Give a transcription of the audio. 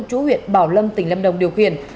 chú huyện bảo lâm tỉnh năm đồng điều khiển